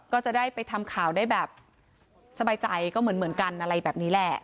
ก็จะได้ไปทำข่าวได้แบบสบายใจก็เหมือนกันอะไรแบบนี้แหละ